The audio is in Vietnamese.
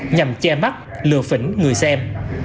nhằm che mắt lừa phỉnh người xem